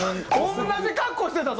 同じ格好してたぞ！